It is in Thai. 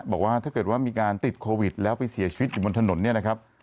บอกว่าถ้าเกิดว่ามีการติดโควิดแล้วไปเสียชีวิตอยู่บนถนนเนี่ยนะครับ